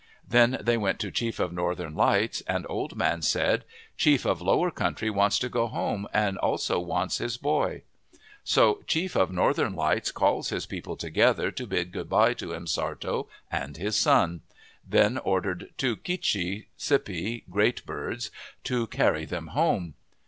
" Then they went to Chief of Northern Lights, and old man said, ' Chief of Lower Country wants to go home and also wants his boy/ " So Chief of Northern Lights calls his people together to bid good bye to M'Sartto and his son ; then ordered two K'che Sippe, Great Birds, to carry them home.